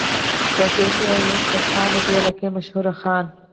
دا پېشه ور ترکاڼ د دې علاقې مشهور خان